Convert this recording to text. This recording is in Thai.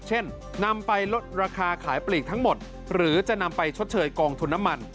เช่นนำไปลดราคาขายปลีกทั้งหมดหรือจะนำไปชดเชยกองทุนน้ำมัน